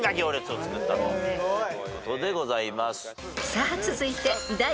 ［さあ続いて］